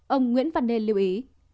ông nguyễn văn nên lưu ý